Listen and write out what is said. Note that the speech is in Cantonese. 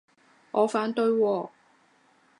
我反對喎